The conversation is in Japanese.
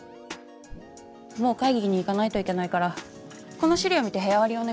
もう会議に行かないといけないからこの資料見て部屋割りをお願いね。